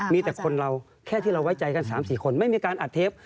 มีแต่คนเราแค่ที่เราไว้ใจกัน๓๔คนไม่มีการอัดเทป